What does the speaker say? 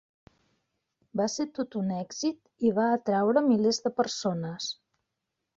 Va ser tot un èxit i va atraure milers de persones.